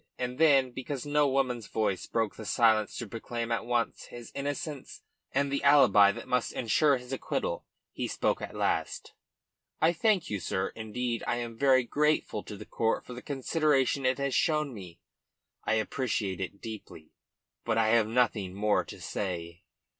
And then, because no woman's voice broke the silence to proclaim at once his innocence, and the alibi that must ensure his acquittal, he spoke at last. "I thank you, sir. Indeed, I am very grateful to the court for the consideration it has shown me. I appreciate it deeply, but I have nothing more to say."